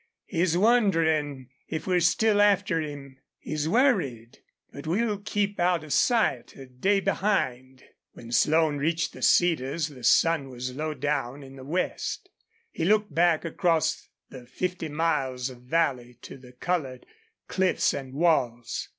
He's wonderin' if we're still after him. He's worried.... But we'll keep out of sight a day behind." When Slone reached the cedars the sun was low down in the west. He looked back across the fifty miles of valley to the colored cliffs and walls.